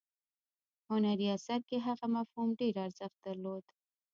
هنري اثر کې هغه مفهوم ډیر ارزښت درلود.